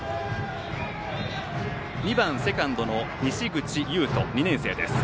２番、セカンドの西口友翔２年生です。